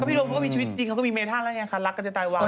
ก็พี่โดมก็มีชีวิตจริงเขาก็มีเมทานแล้วกันค่ะรักกันจะตายว่า